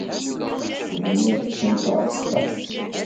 Tebniḍ-tent ɣef ṣṣeḥḥ.